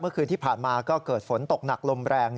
เมื่อคืนที่ผ่านมาก็เกิดฝนตกหนักลมแรง